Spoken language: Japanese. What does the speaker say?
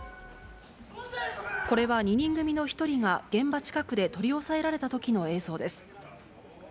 これは２人組の１人が、現場近くで取り押さえられたときの映像です。